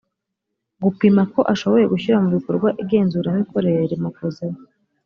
gupima ko ashoboye gushyira mu bikorwa igenzura mikorere rimukozeho